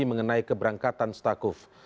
mengenai keberangkatan stakuf